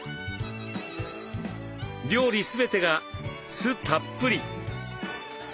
料理全てが酢たっぷり。